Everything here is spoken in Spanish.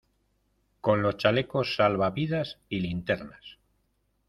con los chalecos salva -- vidas y linternas.